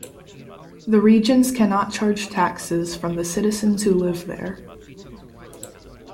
The regions cannot charge taxes from the citizens who live there.